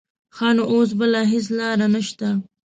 ښه نو اوس بله هېڅ لاره نه شته.